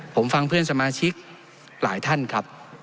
ผมฟังเพื่อนสมาชิกหลายท่านครับ